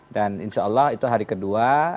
dan insya allah itu hari kedua